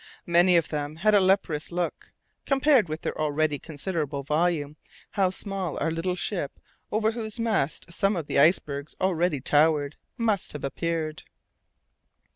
Many of them had a leprous look: compared with their already considerable volume, how small our little ship, over whose mast some of the icebergs already towered, must have appeared!